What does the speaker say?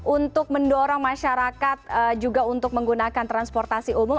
untuk mendorong masyarakat juga untuk menggunakan transportasi umum